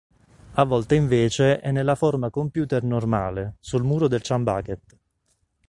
A volte invece è nella forma computer normale, sul muro del Chum Bucket.